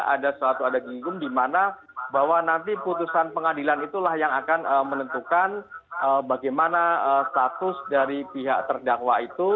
ada suatu ada ginggum di mana bahwa nanti putusan pengadilan itulah yang akan menentukan bagaimana status dari pihak terdakwa itu